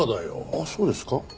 あっそうですか？